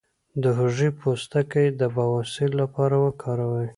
د هوږې پوستکی د بواسیر لپاره وکاروئ